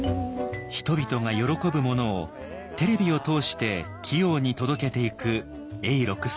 人々が喜ぶものをテレビを通して器用に届けていく永六輔。